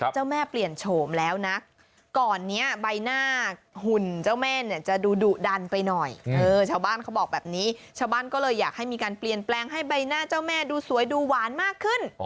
เจ้าแม่เปลี่ยนโฉมแล้วนะก่อนนี้ใบหน้าหุ่นเจ้าแม่เนี่ยจะดูดุดันไปหน่อยชาวบ้านเขาบอกแบบนี้ชาวบ้านก็เลยอยากให้มีการเปลี่ยนแปลงให้ใบหน้าเจ้าแม่ดูสวยดูหวานมากขึ้น